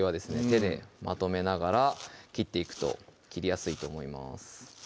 手でまとめながら切っていくと切りやすいと思います